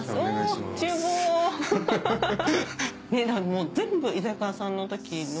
もう全部居酒屋さんの時のまま？